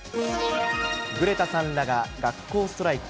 グレタさんらが学校ストライキ。